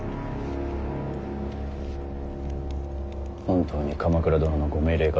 本当に鎌倉殿のご命令かどうか。